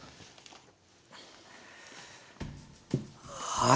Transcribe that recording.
はい。